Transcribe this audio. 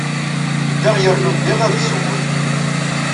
Beddeɣ yernu ddiɣ ɣer tzewwut.